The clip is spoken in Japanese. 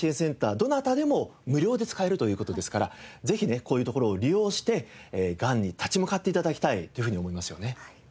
どなたでも無料で使えるという事ですからぜひねこういうところを利用してがんに立ち向かって頂きたいというふうに思いますよね。